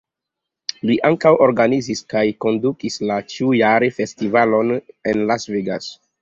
Li ankaŭ organizis kaj kondukis la ĉiujare festivalojn en Las Vegas.